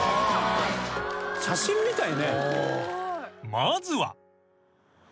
［まずは］